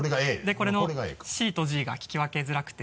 これの「Ｃ」と「Ｇ」が聞き分けづらくて。